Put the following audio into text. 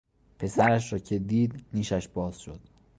پسرش را که دید نیشش باز شد.